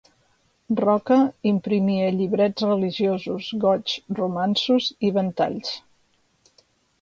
Roca imprimia llibrets religiosos, goigs, romanços i ventalls.